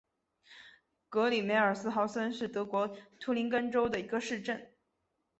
格里梅尔斯豪森是德国图林根州的一个市镇。